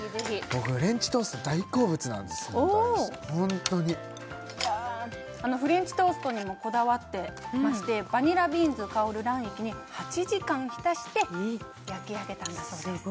僕も大好きホントにフレンチトーストにもこだわっていましてバニラビーンズ香る卵液に８時間浸して焼き上げたんだそうです